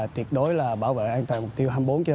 tuyệt đối bảo vệ an toàn mục tiêu hai mươi bốn hai mươi bốn